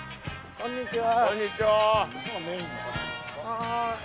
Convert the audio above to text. こんにちは。